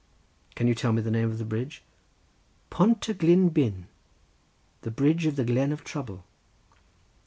"Can you tell me the name of the bridge?" "Pont y Glyn blin—the bridge of the glen of trouble."